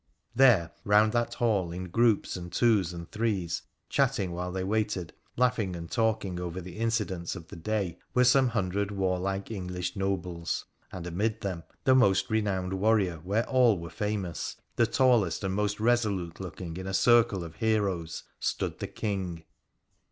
There, round that hall, in groups and twos and threes, chatting while they waited, laughing and talk ing over the incidents of the day, were some hundred warlike English nobles. And amid them, the most renowned warrior where all were famous, the tallest and most resolute looking in a circle of heroes, stood the King.